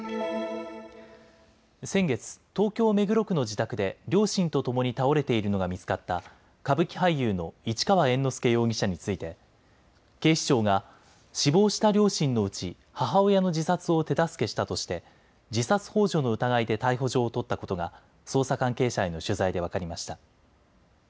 先月、東京目黒区の自宅で両親とともに倒れているのが見つかった歌舞伎俳優の市川猿之助容疑者について警視庁が死亡した両親のうち母親の自殺を手助けしたとして自殺ほう助の疑いで逮捕状を取ったことが捜査関係者への取材で分かりました。